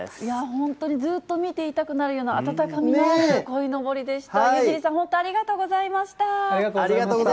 本当にずっと見ていたくなるような温かみのあるこいのぼりでした。